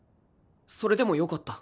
それでもよかった。